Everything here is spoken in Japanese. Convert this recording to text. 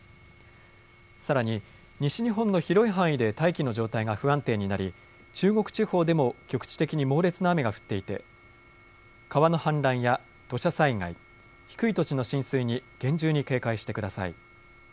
さらに西日本の広い範囲で大気の状態が不安定になり中国地方でも局地的に猛烈な雨が降っていて川の氾濫や土砂災害、低い土地の浸水に厳重に警戒してください。